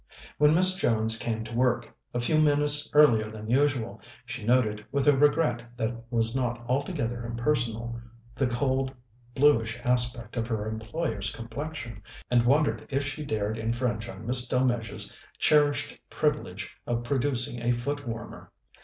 When Miss Jones came to work, a few minutes earlier than usual, she noted, with a regret that was not altogether impersonal, the cold, bluish aspect of her employer's complexion, and wondered if she dared infringe on Miss Delmege's cherished privilege of producing a foot warmer.